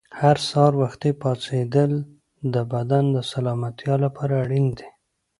هر سهار وختي پاڅېدل د بدن د سلامتیا لپاره اړین دي.